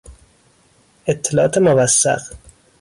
اطلاعات موثق